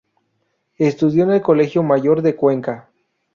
Estudió en el Colegio Mayor de Cuenca.